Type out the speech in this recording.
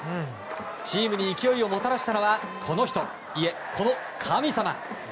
チームに勢いをもたらしたのはこの人、いえ、この神様！